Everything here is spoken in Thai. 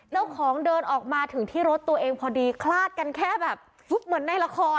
ของเดินออกมาถึงที่รถตัวเองพอดีคลาดกันแค่แบบเหมือนในละคร